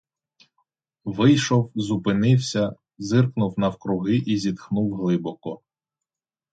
Вийшов, зупинився, зирнув навкруги і зітхнув глибоко.